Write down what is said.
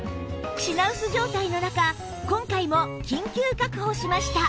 品薄状態の中今回も緊急確保しました